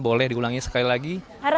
boleh diulangi sekali lagi